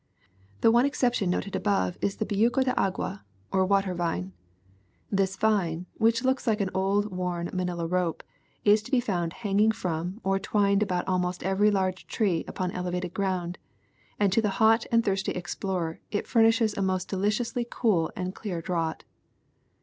The one exception noted above is the hejuco de agua or water vine. This vine, which looks like an old worn manilla rope, is to be found hanging from or twined about almost every large tree upon elevated ground, and to the hot and thirsty explorer it furnishes a most deliciously cool and clear draught.